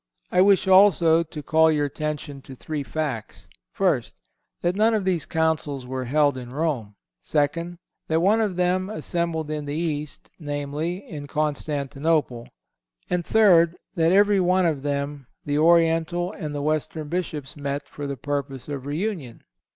I wish also to call your attention to three facts: First—That none of these Councils were held in Rome; Second—That one of them assembled in the East, viz: in Constantinople; and, Third—That in every one of them the Oriental and the Western Bishops met for the purpose of reunion.